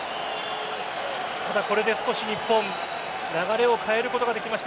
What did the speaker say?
ただ、これで少し日本流れを変えることができました